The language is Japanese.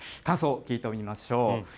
感想、聞いてみましょう。